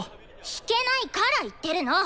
弾けないから言ってるの！